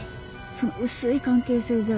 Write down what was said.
その薄い関係性じゃ